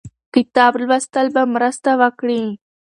کتاب لوستل به مرسته وکړي.